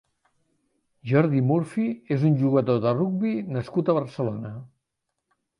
Jordi Murphy és un jugador de rugbi nascut a Barcelona.